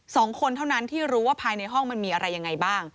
สองคนเท่านั้นที่รู้ว่าภายในห้องมันมีอะไรยังไงบ้าง